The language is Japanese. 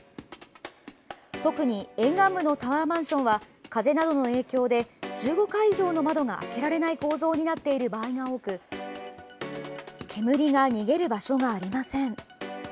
特に沿岸部のタワーマンションは風などの影響で１５階以上の窓が開けられない構造になっている場合が多く煙が逃げる場所がありません。